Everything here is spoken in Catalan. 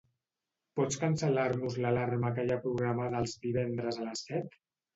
Pots cancel·lar-nos l'alarma que hi ha programada els divendres a les set?